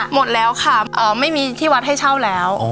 หมดแล้วค่ะไม่มีที่วัดให้เช่าแล้ว